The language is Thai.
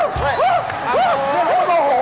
เงียบให้โบโห